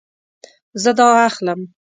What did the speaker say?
زه دا اخلم